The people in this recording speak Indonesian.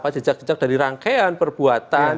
jejak jejak dari rangkaian perbuatan